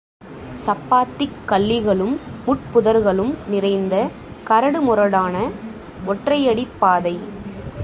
சப்பாத்திக் கள்ளிகளும், முட்புதர்களும் நிறைந்த கரடுமுரடான ஒற்றையடிப் பாதை.